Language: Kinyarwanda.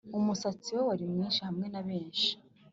umusatsi we wari mwinshi hamwe na benshi